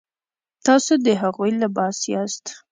تاسو د هغوی لباس یاست.